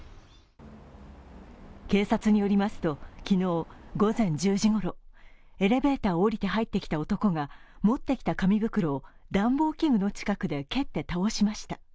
警察によりますと、機能午前１０時ごろ、エレベーターを降りて入ってきた男が持ってきた紙袋を暖房器具の近くで蹴って倒しました。